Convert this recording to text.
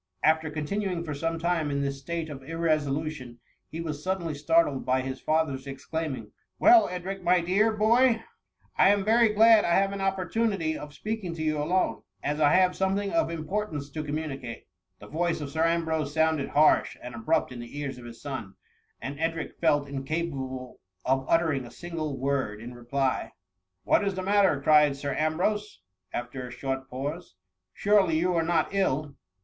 After continuing for some time in this state of irresolution, he was suddenly startled by his father^s exclaiming, Well, Edric, my dear boy, I am very glad I have an opportunity of speaking to you alone, as I have something of importance to communicate,^ The voice of Sir Ambrose sounded harsh and abrupt in the ears of his scm, and Edric felt incapable of uttering a single word in reply. '* What is the matter ?"" cried Sir Ambrose, after a short pause ;surely you are not ill